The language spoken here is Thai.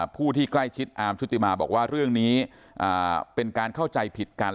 ผู้ที่ใกล้ชิดอาร์มชุติมาบอกว่าเรื่องนี้เป็นการเข้าใจผิดกัน